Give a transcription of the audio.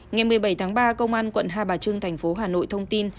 ngày một mươi bảy tháng ba công an quận hai bà trưng thành phố hà nội